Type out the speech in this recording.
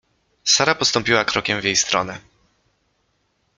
Sara postąpiła krokiem w jej stronę.